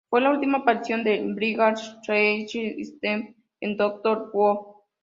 Fue la última aparición del Brigadier Lethbridge-Stewart en "Doctor Who".